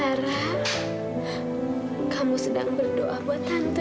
lara kamu sedang berdoa buat tante ya